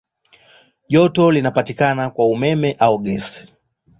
Joto linapatikana kwa umeme au gesi.